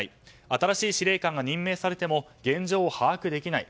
新しい司令官が任命されても現状を把握できない。